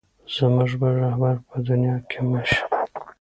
زموږ بل رهبر په دنیا کې مه شې.